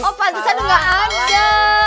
oh pantusan gak ada